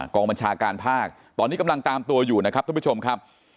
กองบัญชาการภาคตอนนี้กำลังตามตัวอยู่นะครับท่านผู้ชมครับ